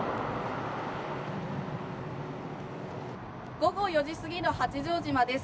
午後４時過ぎの八丈島です。